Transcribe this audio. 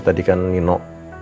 tadi kan nino